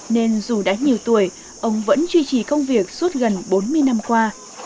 nên dù đã nhiều tuổi ông vẫn duy trì công việc suốt gần bốn mươi năm qua